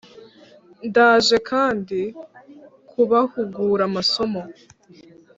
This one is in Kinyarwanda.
Ndaje kandi kubahugura amasomo